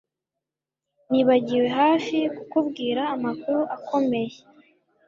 Nibagiwe hafi kukubwira amakuru akomeye